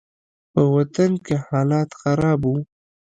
په وطن کښې حالات خراب وو.